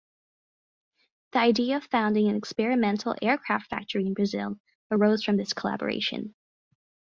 The idea of founding an experimental aircraft factory in Brazil arose from this collaboration.